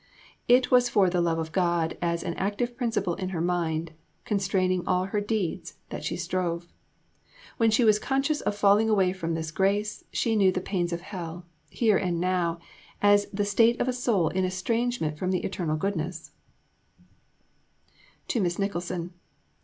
It was for the love of God as an active principle in her mind, constraining all her deeds, that she strove. When she was conscious of falling away from this grace, she knew the pains of hell, here and now, as the state of a soul in estrangement from the Eternal goodness: (_To Miss Nicholson.